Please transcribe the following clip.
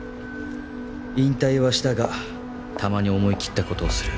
引退はしたがたまに思いきった事をする。